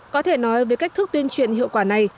có thể nói về cách thức tuyên truyền hiệu quả này